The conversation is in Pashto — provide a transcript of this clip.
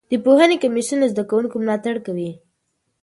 د پوهنې کمیسیون له زده کوونکو ملاتړ کوي.